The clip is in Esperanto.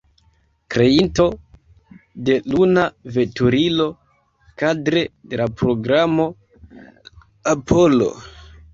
Kreinto de luna veturilo kadre de la Programo Apollo.